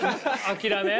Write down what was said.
諦め。